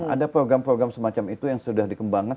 ada program program semacam itu yang sudah dikembangkan